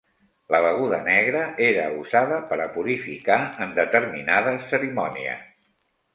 La beguda negra era usada per a purificar en determinades cerimònies.